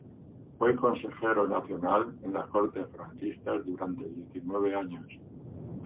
Fue consejero nacional en las Cortes franquistas durante diecinueve años.